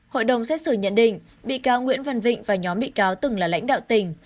hội đồng xét xử nhận định bị cáo nguyễn văn vịnh và nhóm bị cáo từng là lãnh đạo tỉnh